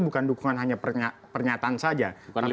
bukan dukungan hanya pernyataan saja